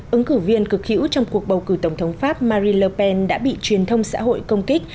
ứng cử viên cực hữu trong cuộc bầu cử tổng thống pháp marie le pen đã bị truyền thông xã hội công kích